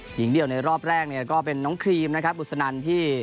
หญิงเดียวในรอบแรกเนี่ยก็เป็นน้องครีมนะครับบุษนันที่